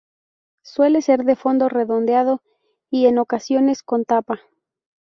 Suele ser de fondo redondeado y, en ocasiones, con tapa.